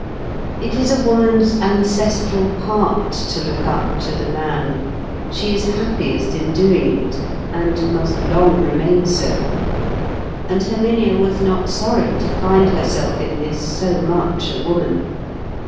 It is a woman's ancestral part to look up to the man; she is happiest in doing it, and must long remain so; and Herminia was not sorry to find herself in this so much a woman.